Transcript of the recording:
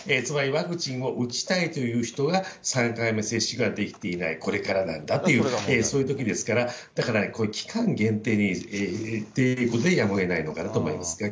つまり、ワクチンを打ちたいという人が、３回目接種ができていない、これからなんだという、そういうときですから、だから、これ、期間限定っていうことで、やむをえないのかなと思います。